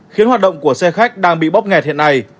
khiến hoạt động của xe khách đang bị bóp nghẹt hiện nay